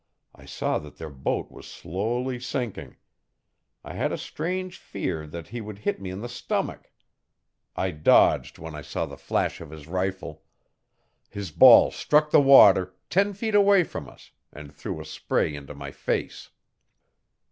I saw that their boat was slowly sinking. I had a strange fear that he would hit me in the stomach. I dodged when I saw the flash of his rifle. His ball struck the water, ten feet away from us, and threw a spray into my face.